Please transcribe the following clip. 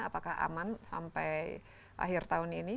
apakah aman sampai akhir tahun ini